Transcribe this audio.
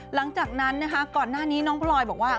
หลังจากนั้นนะคะก่อนหน้านี้น้องพลอยบอกว่า